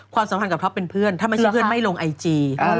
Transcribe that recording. ความสัมพันธ์กับท็อปเป็นเพื่อนถ้าไม่ใช่เพื่อนไม่ลงไอจี